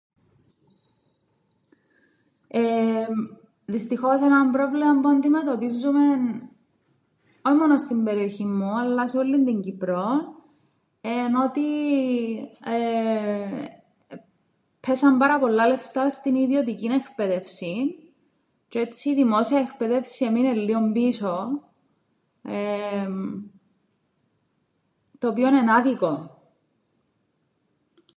Εεμ, δυστυχώς έναν πρόβλημαν που αντιμετωπίζουμεν όι μόνον στην περιοχήν μου αλλά σε ούλλην την Κύπρον εν' ότι εεε εππέσαν πάρα πολλά λεφτά στην ιδιωτικήν εκπαίδευσην τζ̆αι έτσι η δημόσια εκπαίδευση έμεινε λλιον πίσω εεεμ το οποίον εν' άδικον.